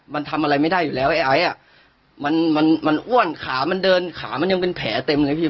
มันทำอะไรไม่ได้อยู่แล้วไอ้ไอซ์อ่ะมันมันอ้วนขามันเดินขามันยังเป็นแผลเต็มเลยพี่